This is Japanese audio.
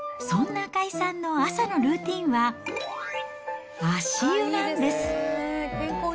そんな赤井さんの朝のルーティンは、足湯なんです。